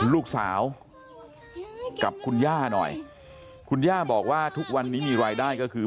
ลูกสาวกับคุณย่าหน่อยคุณย่าบอกว่าทุกวันนี้มีรายได้ก็คือ